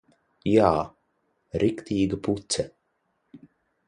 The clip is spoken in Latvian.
Jā. Riktīga puce.